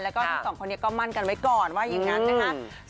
แล้วก็ทั้งสองคนนี้ก็มั่นกันไว้ก่อนว่าอย่างนั้นนะคะ